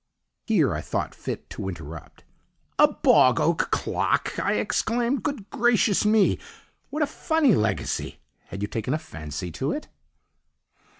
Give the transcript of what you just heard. Here I thought fit to interrupt. "A bog oak clock!" I exclaimed. "Good gracious me! what a funny legacy! Had you taken a fancy to it?"